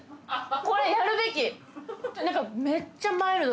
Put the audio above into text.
これやるべき。